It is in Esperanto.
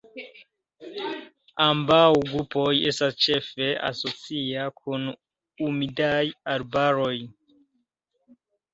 Ambaŭ grupoj estas ĉefe asociaj kun humidaj arbaroj.